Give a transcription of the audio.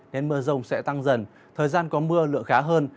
nên mưa rông sẽ tăng dần thời gian có mưa lượng khá hơn